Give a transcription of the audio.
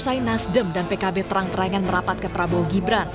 usai nasdem dan pkb terang terangan merapat ke prabowo gibran